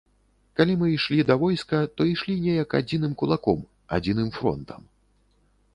Калі мы ішлі да войска, то ішлі неяк адзіным кулаком, адзіным фронтам.